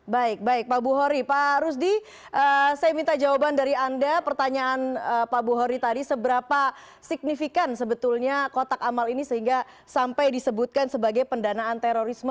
baik baik pak buhori pak rusdi saya minta jawaban dari anda pertanyaan pak buhori tadi seberapa signifikan sebetulnya kotak amal ini sehingga sampai disebutkan sebagai pendanaan terorisme